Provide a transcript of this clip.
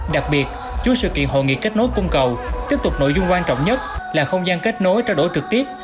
đặc biệt chú sự kiện hội nghị kết nối cung cầu tiếp tục nội dung quan trọng nhất là không gian kết nối trao đổi trực tiếp